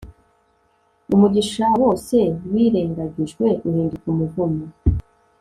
umugisha wose wirengagijwe uhinduka umuvumo